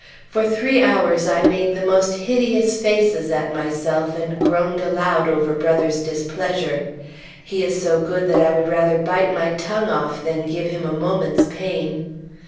For three hours I made the most hideous faces at myself and groaned aloud over Brother's displeasure. He is so good that I would rather bite my tongue off than give him a moment's pain.